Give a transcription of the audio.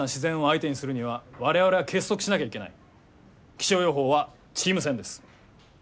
気象予報はチーム戦です。